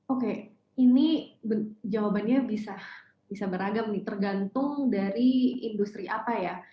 oke ini jawabannya bisa beragam nih tergantung dari industri apa ya